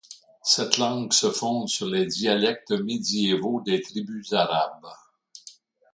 Cette langue se fonde sur les dialectes médiévaux des Tribus arabes.